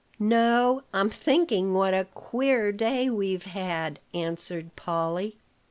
"No: I'm thinking what a queer day we've had," answered Polly.